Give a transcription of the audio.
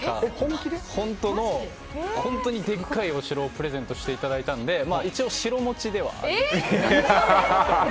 本当にでかいお城をプレゼントしていただいたので一応城持ちではあります。